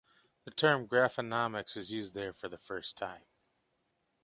The term 'graphonomics' was used there for the first time.